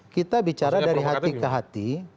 kita bicara dari hati ke hati